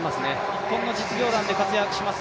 日本の実業団で活躍します